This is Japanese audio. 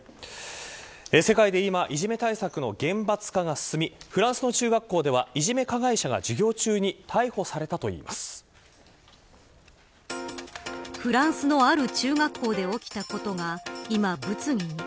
世界で今いじめ対策の厳罰化が進みフランスの中学校ではいじめ加害者がフランスのある中学校で起きたことが今、物議に。